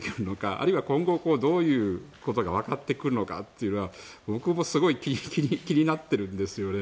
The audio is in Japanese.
あるいは今後、どういうことがわかってくるのかというのは僕もすごい気になってるんですよね。